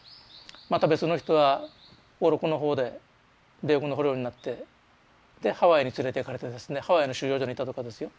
また別の人は小禄の方で米軍の捕虜になってでハワイに連れていかれてですねハワイの収容所にいたとかですよ。